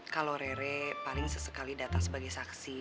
kalau rere paling sesekali datang sebagai saksi